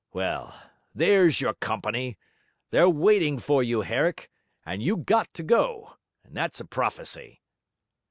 Well, there's your company. They're waiting for you, Herrick, and you got to go; and that's a prophecy.'